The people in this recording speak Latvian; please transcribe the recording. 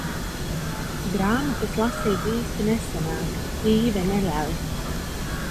Grāmatas lasīt īsti nesanāk, Īve neļauj.